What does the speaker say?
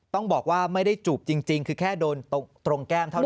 ต้องบอกว่าไม่ได้จูบจริงคือแค่โดนตรงแก้มเท่านั้น